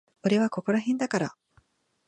俺はここらへんだから。